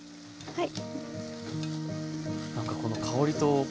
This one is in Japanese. はい。